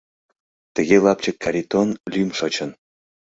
Тыге «Лапчык Каритон» лӱм шочын.